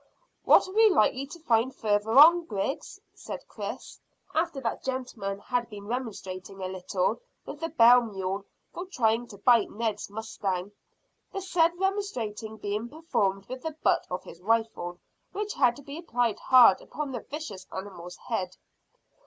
"What are we likely to find farther on, Griggs?" said Chris, after that gentleman had been remonstrating a little with the bell mule for trying to bite Ned's mustang, the said remonstrating being performed with the butt of his rifle, which had to be applied hard upon the vicious animal's head.